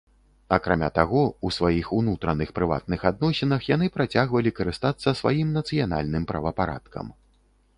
Акрамя таго, у сваіх унутраных прыватных адносінах яны працягвалі карыстацца сваім нацыянальным правапарадкам.